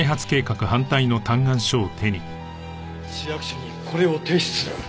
市役所にこれを提出する。